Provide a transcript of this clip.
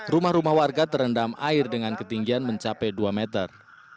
rumah rumah warga terendam air dengan ketinggian mencapai dua meter